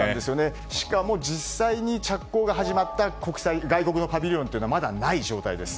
しかも、実際に着工が始まった外国のパビリオンはまだない状態です。